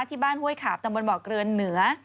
ที่บ้านห้วยขาบตำบลบเกลือเหนือ